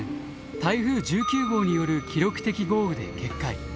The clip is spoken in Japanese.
台風１９号による記録的豪雨で決壊。